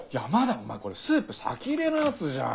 お前これスープ先入れのやつじゃん。